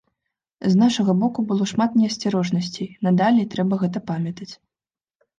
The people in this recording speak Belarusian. З нашага боку было шмат неасцярожнасцей, надалей трэба гэта памятаць.